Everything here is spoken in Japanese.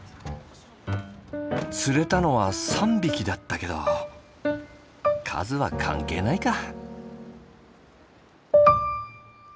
釣れたのは３匹だったけど数は関係ないか。